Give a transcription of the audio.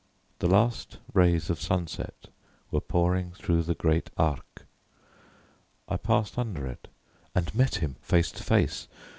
The last rays of sunset were pouring through the great Arc. I passed under it, and met him face to face.